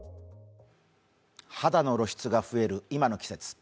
肌の露出が増える今の季節。